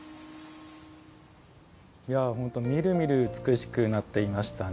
本当にみるみる美しくなっていましたね。